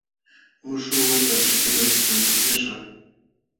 Muśhuq wata chocolatetam upyaśhaq.